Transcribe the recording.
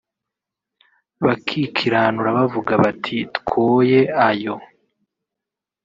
bakikiranura bavuga bati “Twoye ayo